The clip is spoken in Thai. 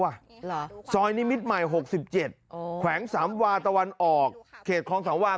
เหรอซอยนิมิตรใหม่หกสิบเจ็ดโอ้แข็งสามวาตะวันออกเขตคลองสามวา